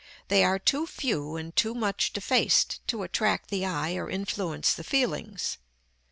They are too few and too much defaced to attract the eye or influence the feelings.